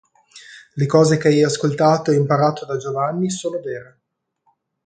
Le cose che hai ascoltato e imparato da Giovanni sono vere.